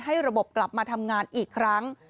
ระบบกลับมาทำงานอีกครั้ง